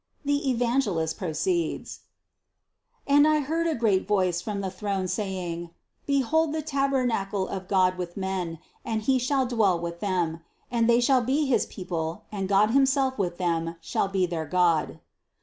The Evangelist proceeds: 254. "And I heard a great voice from the throne say ing: Behold the tabernacle of God with men, and he shall dwell with them. And they shall be his people and God himself with them shall be their God."